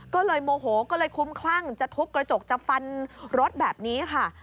ก็เลยโมโหก็เลยคุ้มคลั่งจะทุบกระจกจะฟันรถแบบนี้ค่ะ